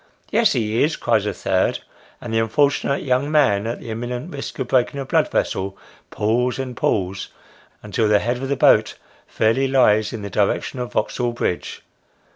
" Yes, he is," cries a third ; and the unfortunate young man, at the imminent risk of breaking a blood vessel, pulls and pulls, until the head of the boat fairly lies in the direction of Vauxhall Bridge.